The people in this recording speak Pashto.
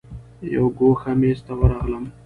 یو ګوښه میز ته ورغلم.